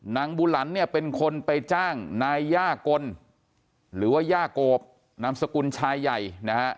บุหลันเนี่ยเป็นคนไปจ้างนายย่ากลหรือว่าย่าโกบนามสกุลชายใหญ่นะฮะ